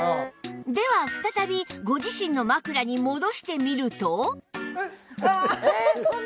では再びご自身の枕に戻してみると